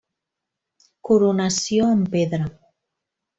Coronació en pedra.